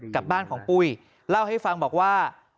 กับบ้านของปุ้ยเล่าให้ฟังบอกว่า